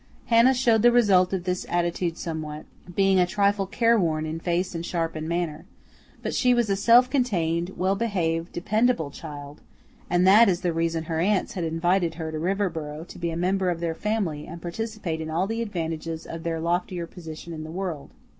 Hannah showed the result of this attitude somewhat, being a trifle careworn in face and sharp in manner; but she was a self contained, well behaved, dependable child, and that is the reason her aunts had invited her to Riverboro to be a member of their family and participate in all the advantages of their loftier position in the world.